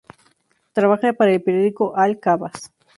Trabaja para el periódico "Al-Qabas".